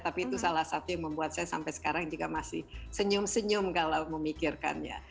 tapi itu salah satu yang membuat saya sampai sekarang juga masih senyum senyum kalau memikirkannya